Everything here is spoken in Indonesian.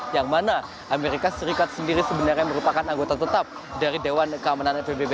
yang mana amerika serikat sendiri sebenarnya merupakan anggota tetap dari dewan keamanan pbb